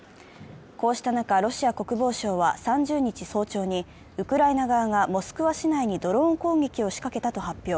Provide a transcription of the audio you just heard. こうした中、ロシア国防省は３０日早朝にウクライナ側がモスクワ市内にドローン攻撃を仕掛けたと発表。